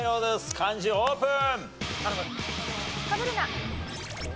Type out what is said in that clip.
漢字オープン！